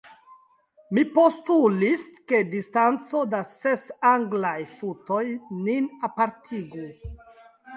Mi postulis, ke distanco da ses Anglaj futoj nin apartigu.